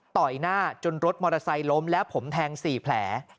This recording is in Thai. ต่อยหน้าจนรถมอเตอร์ไซค์ล้มแล้วผมแทง๔แผล